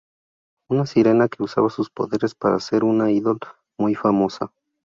Una sirena que usa sus poderes para ser una idol muy famosa.